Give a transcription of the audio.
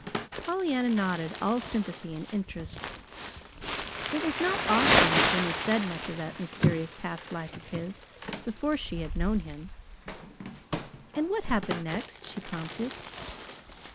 Pollyanna nodded, all sympathy and interest. It was not often that Jimmy said much of that mysterious past life of his, before she had known him. "And what happened next?" she prompted.